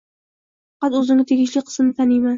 Faqat o'zimga tegishli qismni taniyman